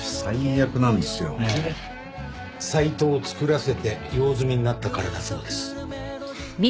サイトを作らせて用済みになったからだそうです。